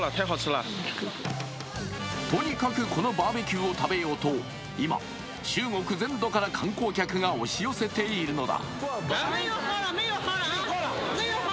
とにかくこのバーベキューを食べようと、今、中国全土から観光客が押し寄せているのだ。